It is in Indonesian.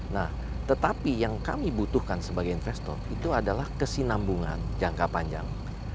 nah tetapi yang kami butuhkan sebagai investor itu adalah kesinambungan jangka panjang